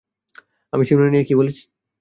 আমি সীমানা নিয়ে কি বলেছি?